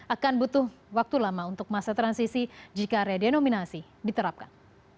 akan butuh waktu lama untuk masa transisi jika redenominasi diterapkan